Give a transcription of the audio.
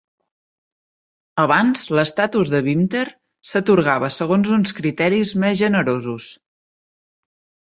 Abans l'estatus de Beamter s'atorgava segons uns criteris més generosos.